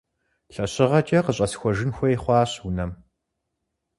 Лъэщыгъэкэ къыщӀэсхуэжын хуей хъуащ унэм.